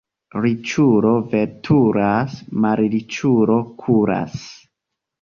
Riĉulo veturas, malriĉulo kuras.